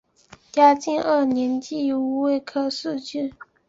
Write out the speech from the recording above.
嘉靖二年癸未科进士。